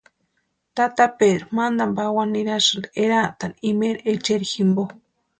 Tata Pedru mantani pawani nirasïnti eraatani imaeri echeri jimpo.